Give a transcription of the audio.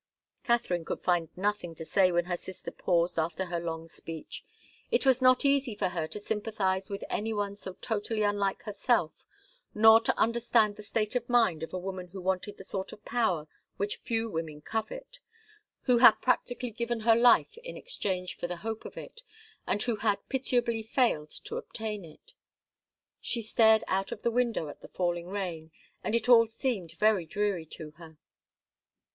Katharine could find nothing to say when her sister paused after her long speech. It was not easy for her to sympathize with any one so totally unlike herself, nor to understand the state of mind of a woman who wanted the sort of power which few women covet, who had practically given her life in exchange for the hope of it, and who had pitiably failed to obtain it. She stared out of the window at the falling rain, and it all seemed very dreary to her.